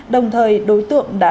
đồng thời đối tượng đã